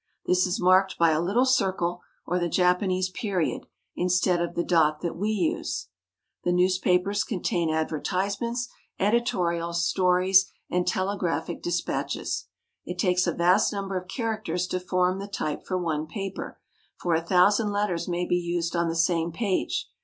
This is marked by a little circle, or the Japanese period, instead of the dot that we use. The newspapers (71) Japanese Newspaper, one Page. 72 JAPAN contain advertisements, editorials, stories, and telegraphic dispatches. It takes a vast number of characters to form the type for one paper ; for a thousand letters may be used on the same page.